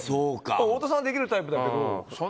太田さんはできるタイプだけど。